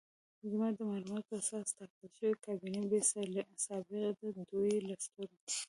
زما د معلوماتو په اساس ټاکل شوې کابینه بې سابقې ده، دوی له سترو